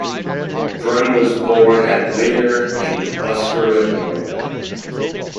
Brun was born at Lier in Buskerud, Norway.